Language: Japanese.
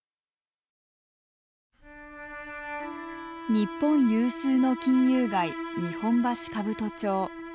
日本有数の金融街日本橋兜町。